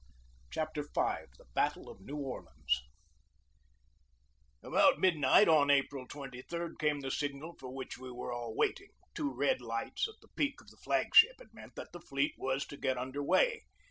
CHAPTER V THE BATTLE OF NEW ORLEANS ABOUT midnight on April 23 came the signal for which we were all waiting, two red lights at the peak of the flag ship. It meant that the fleet was to get under way.